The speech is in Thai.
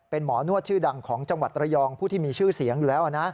เป็นหมอนวดชื่อดังของจังหวัดระยองผู้ที่มีชื่อเสียงอยู่แล้วนะ